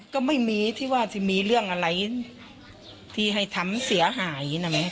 ก็ไม่มีที่ว่าจะมีเรื่องอะไรที่ให้ทำเสียหายนะแม่